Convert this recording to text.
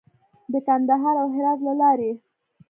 د کندهار او هرات له لارې.